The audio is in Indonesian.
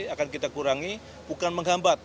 akan kita kurangi bukan menghambat